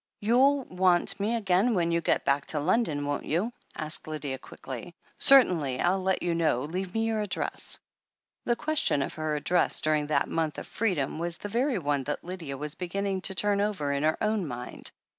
"You'll want me again when you get back to London, won't you?" asked Lydia quickly. "Certainly. Til let you know. Leave me your address." The question of her address during that month of freedom, was the very one that Lydia was beginning to turn over in her own mind.